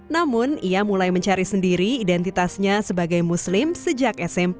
namun ia mulai mencari sendiri identitasnya sebagai muslim sejak smp